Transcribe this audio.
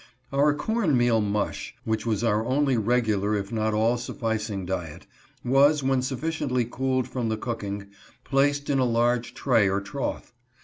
Our corn meal mush, which was our only regu lar if not all sufficing diet, was, when sufficiently cooled from the cooking, placed in a large tray or trough.